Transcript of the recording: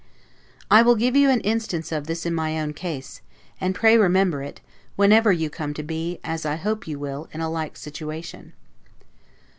I will give you an instance of this in my own case; and pray remember it, whenever you come to be, as I hope you will, in a like situation.